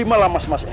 ini kaya semacam